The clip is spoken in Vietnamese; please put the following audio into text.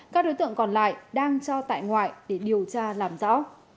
các đối tượng còn lại đang cho tại ngoại để điều tra làm rõ